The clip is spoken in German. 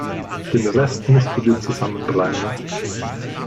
Den Rest musst du dir zusammenreimen.